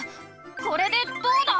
これでどうだ！